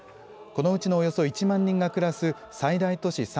このうちのおよそ１万人が暮らす最大都市